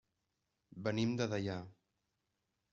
Venim de Deià.